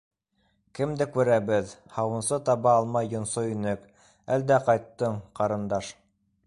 Кемде күрәбеҙ! һауынсы таба алмай йонсой инек, әлдә ҡайттың, ҡарындаш!